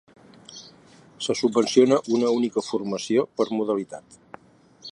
Se subvenciona una única formació per modalitat.